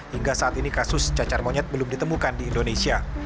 hingga saat ini kasus cacar monyet belum ditemukan di indonesia